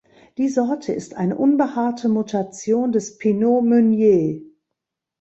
Die Sorte ist eine unbehaarte Mutation des Pinot Meunier.